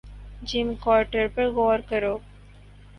جم کورٹر پر غور کرو